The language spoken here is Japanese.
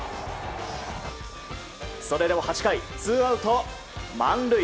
それでも８回、ツーアウト満塁。